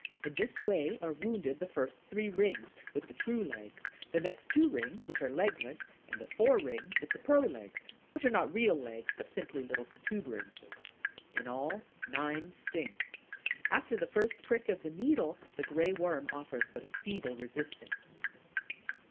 In this way are wounded the first three rings, with the true legs; the next two rings, which are legless; and the four rings, with the pro legs, which are not real legs, but simply little protuberances. In all, nine stings. After the first prick of the needle, the Gray Worm offers but a feeble resistance.